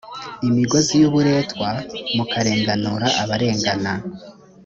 imigozi y uburetwa mukarenganura abarengana